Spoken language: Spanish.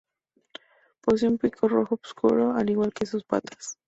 Posee un pico rojo oscuro, al igual que sus patas.